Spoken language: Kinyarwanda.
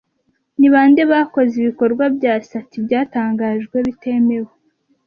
Ni bande bakoze ibikorwa bya Sati byatangajwe bitemewe